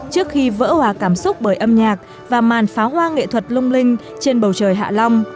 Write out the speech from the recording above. trước khi vỡ hòa cảm xúc bởi âm nhạc và màn pháo hoa nghệ thuật lung linh trên bầu trời hạ long